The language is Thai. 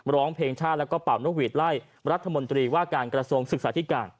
ร้องเพลงชาติแล้วก็เป่านกหวีดไล่รัฐมนตรีว่าการกระทรวงศึกษาธิการ